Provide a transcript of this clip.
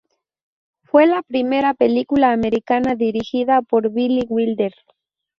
Fue la primera película americana dirigida por Billy Wilder.